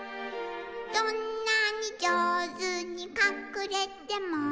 「どんなにじょうずにかくれても」